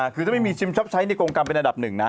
คือจะไม่มีชิมช็อปชัยในกรงกรรมเป็นระดับหนึ่งนะ